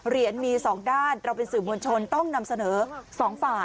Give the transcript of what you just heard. เหรียญมีสองด้านเราเป็นสื่อมวลชนต้องนำเสนอสองฝ่าย